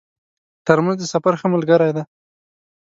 ترموز د سفر ښه ملګری دی.